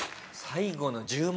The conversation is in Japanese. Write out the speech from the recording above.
最後の。